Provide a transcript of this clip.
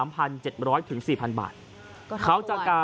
๓๗๐๐บาทถึง๔๐๐๐บาท